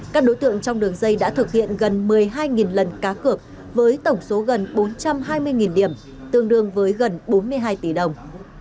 các đối tượng trong đường dây đã thực hiện gần một mươi hai lần cá cược với tổng số gần bốn trăm hai mươi điểm tương đương với gần bốn mươi hai tỷ đồng